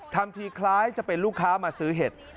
ทำทีคล้ายจะเป็นลูกค้ามาซื้อเห็ด